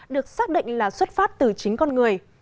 được xác định là xuất phát từ chính con người